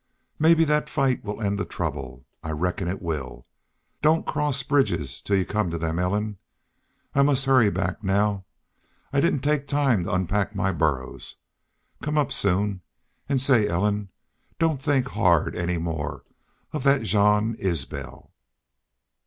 "Mebbe thet fight will end the trouble. I reckon it will. Don't cross bridges till you come to them, Ellen.... I must hurry back now. I didn't take time to unpack my burros. Come up soon.... An', say, Ellen, don't think hard any more of thet Jean Isbel."